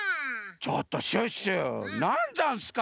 ちょっとシュッシュなんざんすか？